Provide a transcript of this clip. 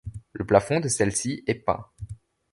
Le plafond de celle-ci est peint.